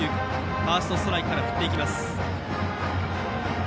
ファーストストライクから振ります。